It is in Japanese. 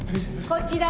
こっちか。